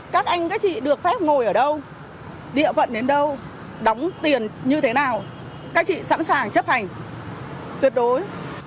các anh các chị được phép ngồi ở đâu địa phận đến đâu đóng tiền như thế nào các chị sẵn sàng chấp hành tuyệt đối